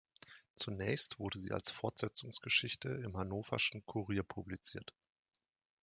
Zunächst wurde sie als Fortsetzungsgeschichte im Hannoverschen Kurier publiziert.